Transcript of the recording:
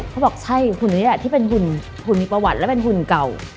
เขาบอกใช่หุ่นนี้แหละที่เป็นหุ่นมีประวัติและเป็นหุ่นเก่า